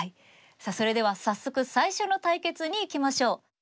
さあそれでは早速最初の対決にいきましょう。